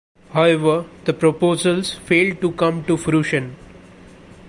However, the proposals failed to come to fruition.